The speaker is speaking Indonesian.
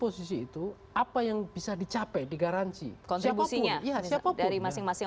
posisi itu apa yang bisa dicapai di garansi kontribusinya ya siapa dari masing masing